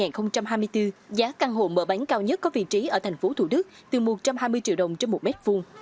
trong quý i năm hai nghìn hai mươi bốn giá căn hộ mở bán cao nhất có vị trí ở tp thủ đức từ một trăm hai mươi triệu đồng trên một mét vuông